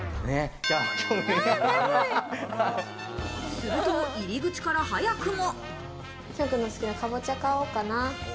すると入り口から早くも。